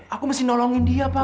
aku mesti nolongin dia pak